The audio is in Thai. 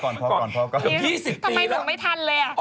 ทำไมหลงไม่ทันเลยอ่ะ